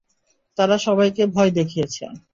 তারা সবাইকে ভয় দেখিয়েছে।